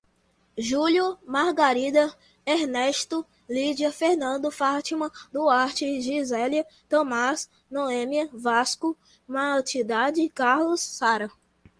Júlio, Margarida, Ernesto, Lídia, Fernando, Fátima, Duarte, Gisela, Tomás, Noémia, Vasco, Matilde, Carlos, Sara